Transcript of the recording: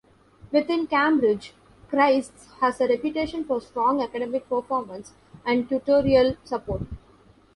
Within Cambridge, Christ's has a reputation for strong academic performance and tutorial support.